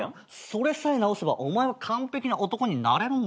それさえ直せばお前は完璧な男になれるんだよ。